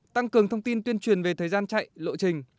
tăng cường thông tin tuyên truyền về thời gian chạy lộ trình